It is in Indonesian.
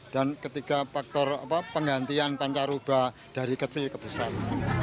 dan ketiga faktor penggantian pancarubah dari kecil ke besar